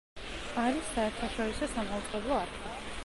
არის საერთაშორისო სამაუწყებლო არხი.